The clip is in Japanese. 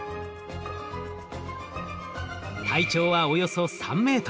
体長はおよそ３ｍ。